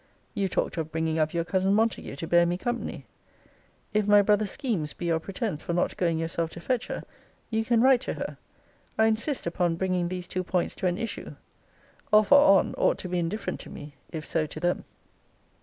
You talked of bringing up your cousin Montague to bear me company: if my brother's schemes be your pretence for not going yourself to fetch her, you can write to her. I insist upon bringing these two points to an issue: off or on ought to be indifferent to me, if so to them.'